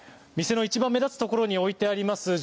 店の一番目立つところに置いてあります